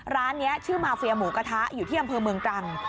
ร้านนี้ชื่อมาเฟียหมูกระทะอยู่ที่อำเภอเมืองตรัง